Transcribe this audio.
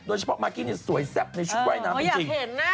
โดยเฉพาะมาร์คีนี่สวยแซ่บในชุดว่ายน้ำจริง